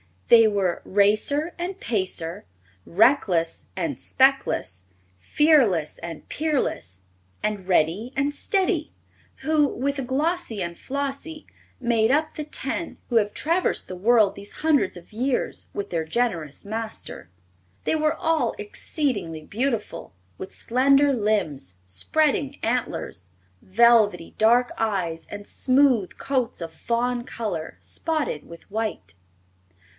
They were Racer and Pacer, Reckless and Speckless, Fearless and Peerless, and Ready and Steady, who, with Glossie and Flossie, made up the ten who have traversed the world these hundreds of years with their generous master. They were all exceedingly beautiful, with slender limbs, spreading antlers, velvety dark eyes and smooth coats of fawn color spotted with white.